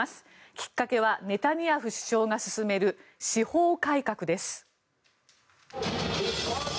きっかけはネタニヤフ首相が進める司法改革です。